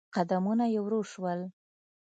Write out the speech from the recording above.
قدمونه يې ورو شول.